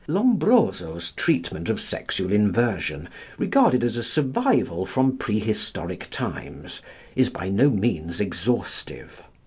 Lombroso's treatment of sexual inversion regarded as a survival from prehistoric times is by no means exhaustive.